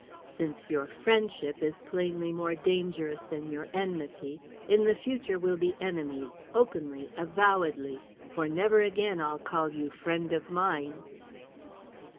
Since your friendship is plainly more dangerous than your enmity, in the future we'll be enemies, openly, avowedly, for never again I'll call you friend of mine!"